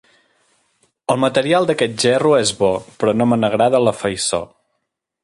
El material d'aquest gerro és bo, però no me n'agrada la faiçó.